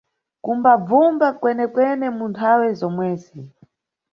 Kumbabvumba kwene-kwene mu nthawe zomwezi.